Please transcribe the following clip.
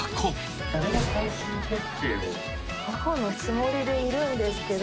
母のつもりでいるんですけど。